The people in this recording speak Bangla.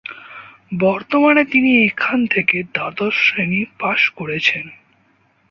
বর্তমানে তিনি এখান থেকে দ্বাদশ শ্রেণী পাশ করেছেন।